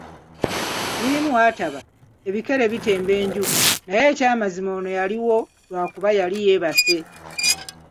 Nnyinimu w'ataba, ebikere bitemba enju naye eky'amazima ono yaliwo lwakuba yali yeebase.